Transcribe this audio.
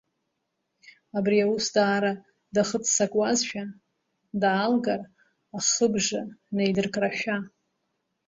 Абри аус даара дахыццакуазшәа, даалгар ахыбжа наидыркрашәа.